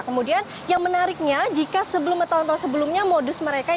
kemudian yang menariknya jika sebelum atau tahun tahun sebelumnya modus mereka